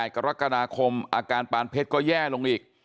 กรกฎาคมอาการปานเพชรก็แย่ลงอีก